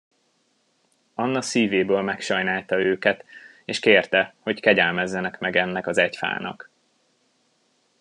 Anna szívéből megsajnálta őket, és kérte, hogy kegyelmezzenek meg ennek az egy fának.